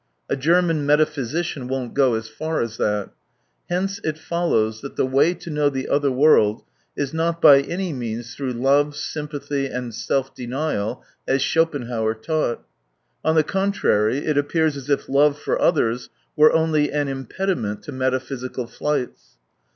A German metaphy sician won't go as far as that. Hence it follows that the way to know the other world is not by any means through love, sympathy, and self denial, as Schopenhauer taught. On the contrary, it appears as if love for others were only an impediment to metaphysical flights.